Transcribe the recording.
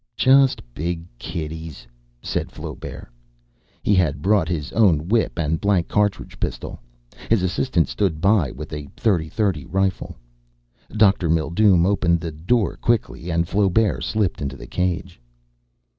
"Just big kitties," said Flaubert. He had brought his own whip and blank cartridge pistol. His assistant stood by with a .30 30 rifle. Dr. Mildume opened the door quickly and Flaubert slipped into the cage.